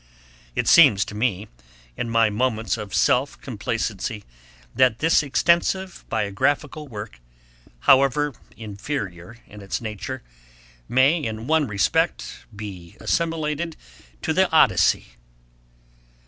It seems to me, in my moments of self complacency, that this extensive biographical work, however inferior in its nature, may in one respect be assimilated to the ODYSSEY.